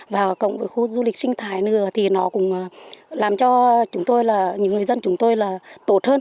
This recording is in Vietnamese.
và khu du lịch sinh thái nữa thì nó cũng làm cho những người dân chúng tôi tốt hơn